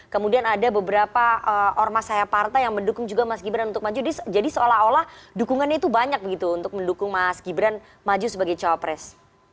kemudian ada beberapa ormas saya partai yang mendukung juga mas gibran untuk maju jadi seolah olah dukungannya itu banyak begitu untuk mendukung mas gibran maju sebagai cawapres